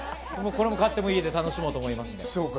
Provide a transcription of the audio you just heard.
これも買って家で楽しもうと思います。